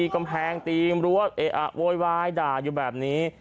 กำแพงตีมรั้วโวยวายด่าอยู่แบบนี้